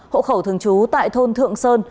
hộ khẩu thường trú tại thôn thượng sơn